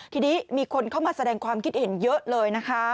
ทีนี้มีคนเข้ามาแสดงความคิดเห็นเยอะเลยนะคะ